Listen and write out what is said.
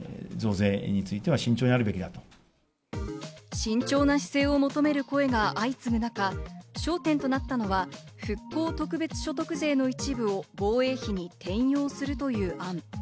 慎重な姿勢を求める声が相次ぐ中、焦点となったのは復興特別所得税の一部を防衛費に転用するという案。